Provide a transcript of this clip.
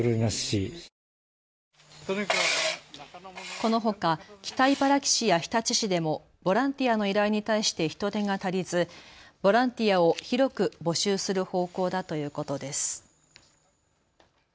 このほか北茨城市や日立市でもボランティアの依頼に対して人手が足りずボランティアを広く募集する方向だということです。